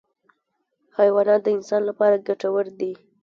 حیوانات د انسان لپاره ګټور دي.